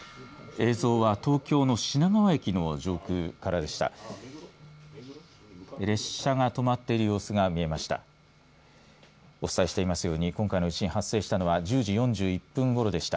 映像は東京の品川駅の上空からでした。